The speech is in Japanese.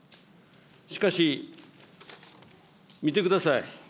しかし、見てください。